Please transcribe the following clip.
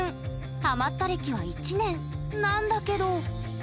ハマった歴は１年なんだけど。